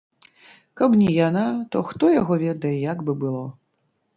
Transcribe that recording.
Каб не яна, то хто яго ведае, як бы было.